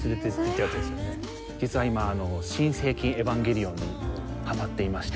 実は今『新世紀エヴァンゲリオン』にハマっていまして。